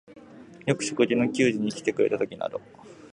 よく食事の給仕にきてくれたときなど、